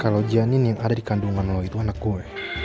kalau janin yang ada di kandungan lo itu anak kue